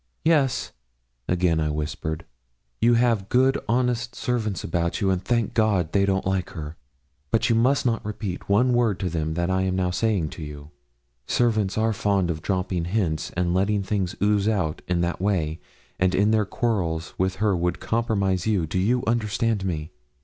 'Yes,' again I whispered. 'You have good, honest servants about you, and, thank God, they don't like her. But you must not repeat to them one word I am now saying to you. Servants are fond of dropping hints, and letting things ooze out in that way, and in their quarrels with her would compromise you you understand me?'